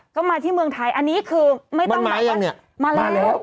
ก็มาที่เมืองไทยอันนี้คือไม่ต้องมาลาแล้ว